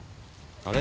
あれ？